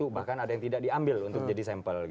bahkan ada yang tidak diambil untuk jadi sampel